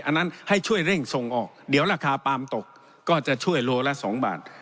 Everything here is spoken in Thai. อันนั้นให้ช่วยเร่งส่งออกเดี๋ยวราคาปาล์มตกก็จะช่วยโลละ๒บาท